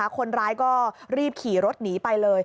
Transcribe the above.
คนร้ายก็รีบขี่รถหนีไปเลย